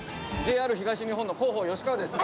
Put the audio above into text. ＪＲ東日本の広報吉川です。